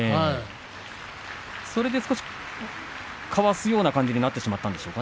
それでかわすような感じになってしまったんですか。